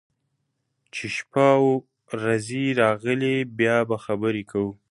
چې شپه او رځې راغلې، بیا به خبرې کوو.